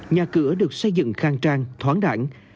nhà cửa được xây dựng khang trang thoáng đẳng